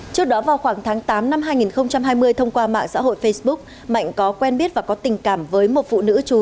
trước đó vào khoảng tháng tám năm hai nghìn hai mươi thông qua mạng xã hội facebook mạnh có quen biết và có tình cảm với một phụ nữ chú